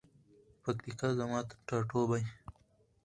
پکتیکا زما ټاټوبی.